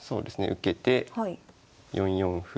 受けて４四歩。